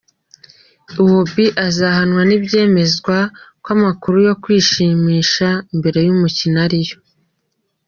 Iwobi azahanwa nibyemezwa ko amakuru yo kwishimisha mbere y'umukino ari yo.